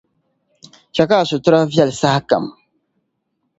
chɛ ka a situra viɛli sahakam.